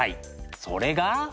それが。